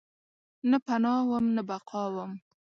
نه پناه وم ، نه بقاوم